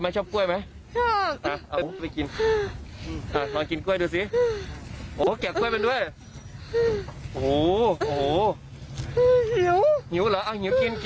ตลอดแต่ไม่ออกมาใช่ไหม